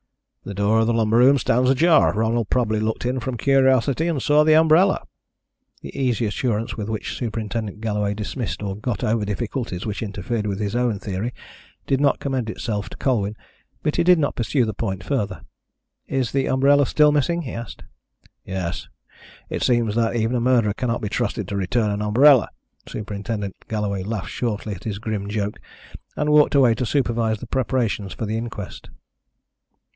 "The door of the lumber room stands ajar. Ronald probably looked in from curiosity, and saw the umbrella." The easy assurance with which Superintendent Galloway dismissed or got over difficulties which interfered with his own theory did not commend itself to Colwyn, but he did not pursue the point further. "Is the umbrella still missing?" he asked. "Yes. It seems that even a murderer cannot be trusted to return an umbrella." Superintendent Galloway laughed shortly at his grim joke and walked away to supervise the preparations for the inquest.